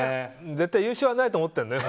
絶対、優勝はないと思ったよね